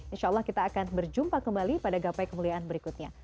insya allah kita akan berjumpa kembali pada gapai kemuliaan berikutnya